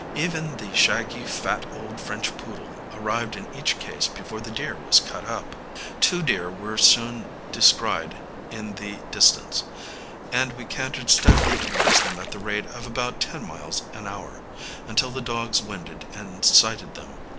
Even the shaggy fat old French poodle arrived in each case before the deer was cut up. Two deer were soon descried in the distance, and we cantered steadily towards them at the rate of about ten miles an hour, until the dogs winded and sighted them.